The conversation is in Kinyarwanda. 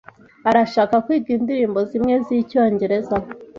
Arashaka kwiga indirimbo zimwe zicyongereza.